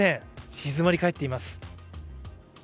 静まり返っています。